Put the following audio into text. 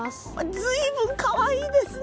随分かわいいですね！